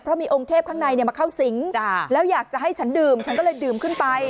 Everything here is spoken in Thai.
เพราะมีองค์เทพข้างในมาเข้าสิงแล้วอยากจะให้ฉันดื่มฉันก็เลยดื่มขึ้นไป